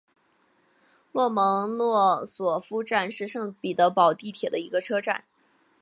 洛蒙诺索夫站是圣彼得堡地铁的一个车站。